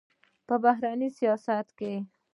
په بهرني سیاست کې